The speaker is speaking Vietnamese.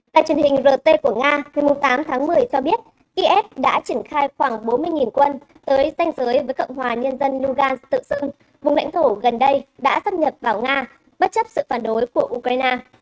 đài truyền hình rt của nga ngày tám tháng một mươi cho biết is đã triển khai khoảng bốn mươi quân tới danh giới với cộng hòa nhân dân dugan tự xưng vùng lãnh thổ gần đây đã xâm nhập vào nga bất chấp sự phản đối của ukraine